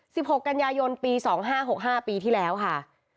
หกกันยายนปีสองห้าหกห้าปีที่แล้วค่ะ